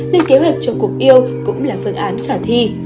nên kế hoạch cho cuộc yêu cũng là phương án khả thi